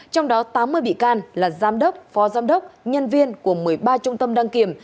trong đó tám mươi bị can là giám đốc phó giám đốc nhân viên của một mươi ba trung tâm đăng kiểm